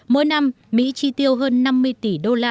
mỗi năm mỹ chi tiêu hơn năm mươi tỷ đô la